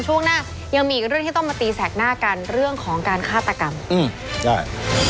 ช่วงหน้ายังมีอีกเรื่องที่ต้องมาตีแสกหน้ากันเรื่องของการฆาตกรรมอืมใช่